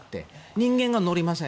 人間が乗りません。